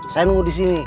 saya nunggu disini